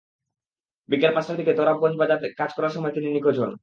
বিকেল পাঁচটার দিকে তোরাবগঞ্জ বাজারে কাজ করার সময় তিনি নিখোঁজ হন।